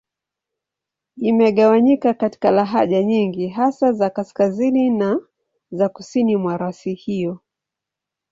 Imegawanyika katika lahaja nyingi, hasa za Kaskazini na za Kusini mwa rasi hiyo.